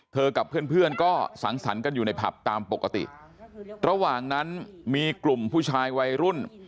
กับเพื่อนเพื่อนก็สังสรรค์กันอยู่ในผับตามปกติระหว่างนั้นมีกลุ่มผู้ชายวัยรุ่น